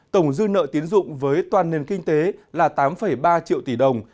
tổng dư nợ tiến dụng với toàn nền kinh tế là tám ba triệu tỷ đồng